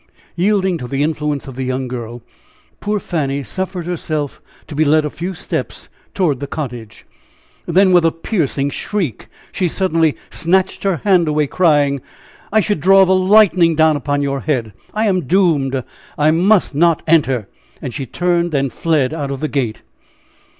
Yielding to the influence of the young girl, poor Fanny suffered herself to be led a few steps toward the cottage; then, with a piercing shriek, she suddenly snatched her hand away, crying: "I should draw the lightning down upon your head! I am doomed! I must not enter!" And she turned and fled out of the gate.